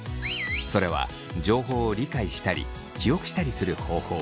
それは情報を理解したり記憶したりする方法